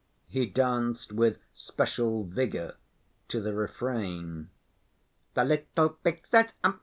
He danced with special vigor to the refrain: The little pig says—umph!